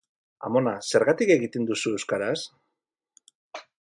Amona, zergatik egiten duzu euskaraz?